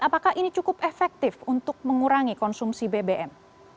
apakah ini cukup efektif untuk mengurangi konsumsi bbm